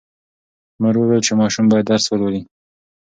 مور وویل چې ماشوم باید درس ولولي.